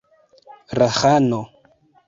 La ĥano!